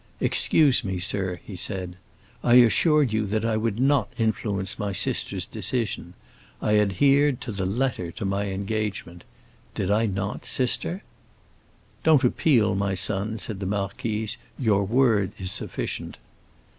"Excuse me, sir," he said, "I assured you that I would not influence my sister's decision. I adhered, to the letter, to my engagement. Did I not, sister?" "Don't appeal, my son," said the marquise, "your word is sufficient."